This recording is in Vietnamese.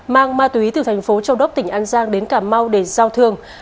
mang ma túy từ thành phố châu đốc tỉnh an giang đến cà mau để giao thương